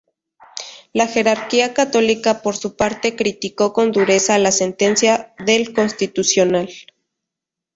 La jerarquía católica por su parte criticó con dureza la sentencia del Constitucional.